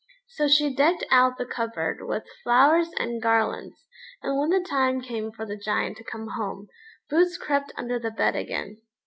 So she decked out the cupboard with flowers and garlands, and when the time came for the Giant to come home, Boots crept under the bed again.